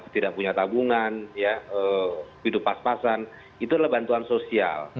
tidak punya tabungan hidup pas pasan itu adalah bantuan sosial